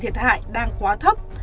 thiệt hại đang quá thấp